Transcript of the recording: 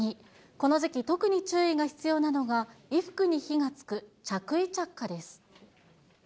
この時期、特に注意が必要なのが、衣服に火がつく着衣着火です。